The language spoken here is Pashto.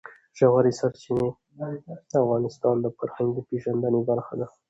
ژورې سرچینې د افغانانو د فرهنګي پیژندنې برخه ده.